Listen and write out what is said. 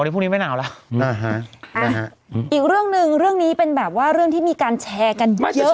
พรุ่งนี้ไม่หนาวแล้วนะฮะอีกเรื่องหนึ่งเรื่องนี้เป็นแบบว่าเรื่องที่มีการแชร์กันเยอะมาก